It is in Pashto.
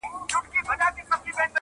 د باغلیو کښت په گټه د سلطان دئ -